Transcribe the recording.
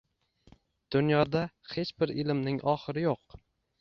Dunyoda hech bir ilmning oxiri yo’q